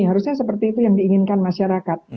harusnya seperti itu yang diinginkan masyarakat